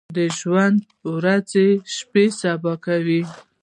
د ژوند ورځې شپې سبا کوي ۔